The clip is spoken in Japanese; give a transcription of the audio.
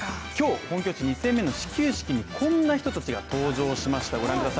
今日、本拠地２戦目の始球式にこんな人たちが登場しました。